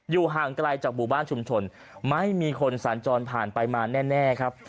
อยู่ห่างไกลจากบุบันชุมชนไม่มีคนสานจรผ่านไปมาแน่ครับ